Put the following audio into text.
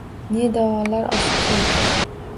Ne dovonlar oshib keldi